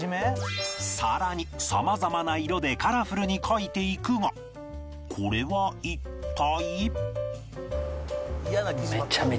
さらに様々な色でカラフルに描いていくがこれは一体？